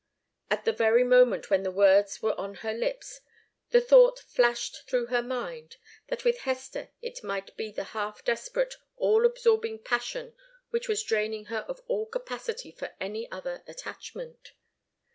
At the very moment when the words were on her lips the thought flashed through her mind, that with Hester it might be the half desperate, all absorbing passion which was draining her of all capacity for any other attachment.